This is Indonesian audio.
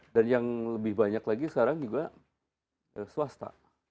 dan yang lebih banyak lagi sekarang juga swasta